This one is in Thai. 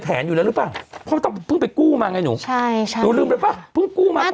เพราะอันนี้ปึ่งกลับมาว่าโอเคแหละ